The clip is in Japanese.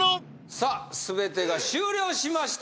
さあ全てが終了しました